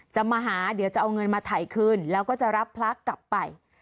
มาหาเดี๋ยวจะเอาเงินมาถ่ายคืนแล้วก็จะรับพระกลับไป